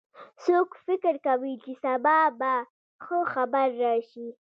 څوک فکر کوي چې سبا به ښه خبر راشي